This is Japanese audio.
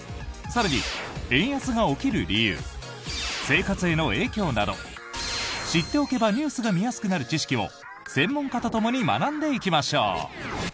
更に、円安が起きる理由生活への影響など知っておけばニュースが見やすくなる知識を専門家とともに学んでいきましょう！